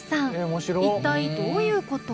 一体どういうこと？